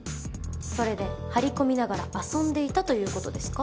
それで張り込みながら遊んでいたということですか？